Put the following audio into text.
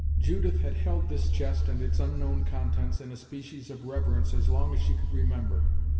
Judith had held this chest and its unknown contents in a species of reverence as long as she could remember.